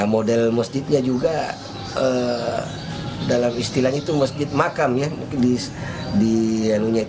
model masjidnya juga dalam istilahnya itu masjid makam ya